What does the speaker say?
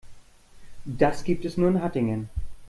Das gibt es nur in Hattingen